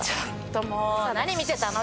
何見てたの？